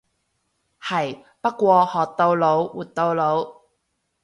係，不過學到老活到老。